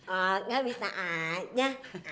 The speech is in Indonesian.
oh nggak bisa aja